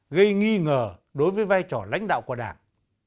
gây nghi ngờ đối với vai trò lãnh đạo của đảng